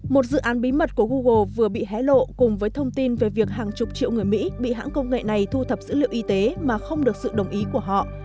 một dự án bí mật của google vừa bị hé lộ cùng với thông tin về việc hàng chục triệu người mỹ bị hãng công nghệ này thu thập dữ liệu y tế mà không được sự đồng ý của họ